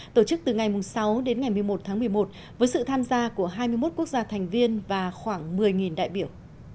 tổ chức từ ngày sáu đến ngày một mươi một tháng một mươi một với sự tham gia của hai mươi một quốc gia thành viên và khoảng một mươi đại biểu